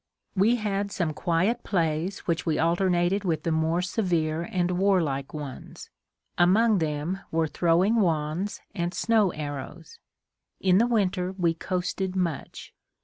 We had some quiet plays which we alternated with the more severe and warlike ones. Among them were throwing wands and snow arrows. In the winter we coasted much.